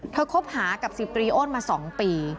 เธอคบหากับสิบตรีอ้นมาสองปี